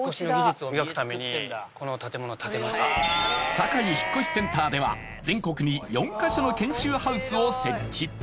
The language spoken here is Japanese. サカイ引越センターでは全国に４か所の研修ハウスを設置